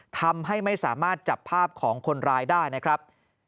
ทำให้ไม่สามารถจับภาพของคนร้ายได้นะครับ